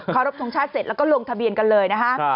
รบทรงชาติเสร็จแล้วก็ลงทะเบียนกันเลยนะคะ